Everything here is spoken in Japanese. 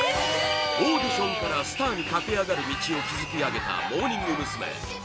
オーディションからスターに駆け上がる道を築き上げたモーニング娘。